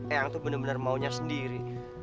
eyang tuh bener bener maunya sendiri